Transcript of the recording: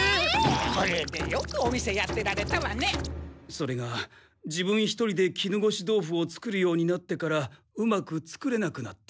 それが自分一人で絹ごし豆腐を作るようになってからうまく作れなくなって。